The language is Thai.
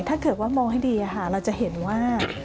ถ้าเกิดว่ามองให้ดีเราจะเห็นว่า